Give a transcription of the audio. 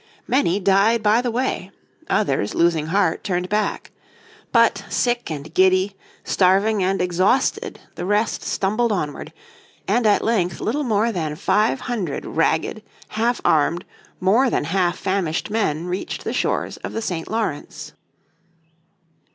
Many died by the way; others, losing heart, turned back. But sick and giddy, starving and exhausted the rest stumbled onward, and at length little more than five hundred ragged half armed, more than half famished men, reached the shores of the St. Lawrence.